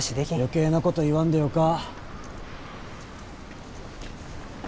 余計なこと言わんでよか。